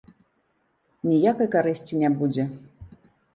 Ніякай карысці не будзе.